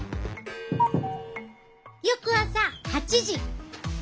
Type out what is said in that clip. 翌朝８時。